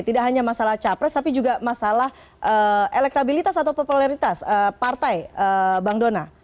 tidak hanya masalah capres tapi juga masalah elektabilitas atau popularitas partai bang dona